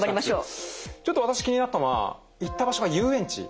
ちょっと私気になったのは行った場所が遊園地。